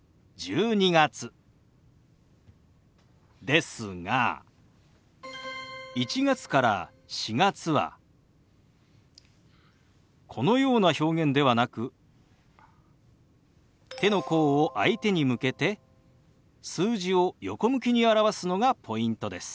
ですが１月から４月はこのような表現ではなく手の甲を相手に向けて数字を横向きに表すのがポイントです。